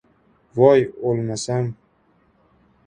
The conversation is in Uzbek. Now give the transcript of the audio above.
— Voy, o‘lmasam!